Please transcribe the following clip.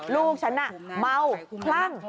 ลูกฉันน่ะเมาคลั่ง